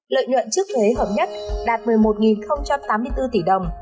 lợi nhuận trước thuế hợp nhất đạt một mươi một tám mươi bốn tỷ đồng